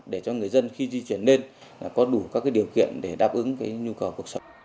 để cho người dân khi di chuyển lên có đủ các điều kiện để đáp ứng nhu cầu cuộc sống